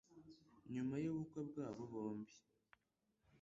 Nyuma y'ubukwe bwabo bombi,